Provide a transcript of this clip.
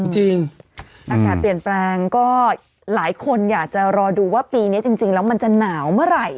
อากาศเปลี่ยนแปลงก็หลายคนอยากจะรอดูว่าปีนี้จริงแล้วมันจะหนาวเมื่อไหร่